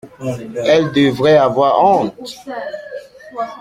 Elles devraient avoir honte!